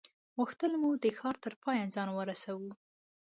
غوښتل مو د ښار تر پایه ځان ورسوو.